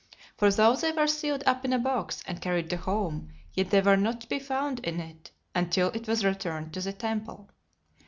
For though they were sealed up in a box, and carried to home, yet they were not to be found in it, until it was returned to the temple.